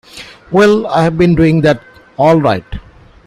Well, I've been doing that, all right.